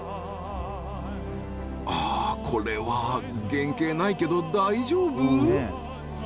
ああこれは原形ないけど大丈夫？